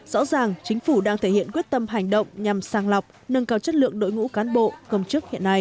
rõ ràng chính phủ đang thể hiện quyết tâm hành động nhằm sang lọc nâng cao chất lượng đội ngũ cán bộ công chức hiện nay